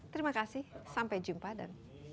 terima kasih sampai jumpa dan